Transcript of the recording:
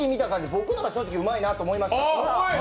僕の方が正直うまいなと思いました。